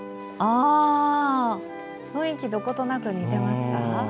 雰囲気、どことなく似てますか？